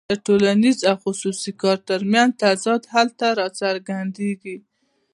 د ټولنیز او خصوصي کار ترمنځ تضاد هلته راڅرګندېږي